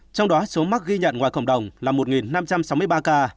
trong đó số mắc ghi nhận ngoài cộng đồng là một năm trăm sáu mươi ba ca